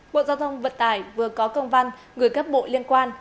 bộ giao thông vật tải vừa có công văn người cấp bộ liên quan